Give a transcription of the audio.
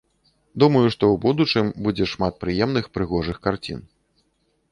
Думаю, што ў будучым будзе шмат прыемных прыгожых карцін.